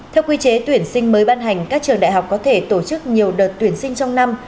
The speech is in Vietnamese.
theo quy chế tuyển sinh mới ban hành các trường đại học có thể tổ chức nhiều đợt tuyển sinh trong năm